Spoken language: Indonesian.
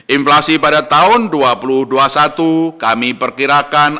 inflasi pada tahun dua ribu dua puluh satu kami perkirakan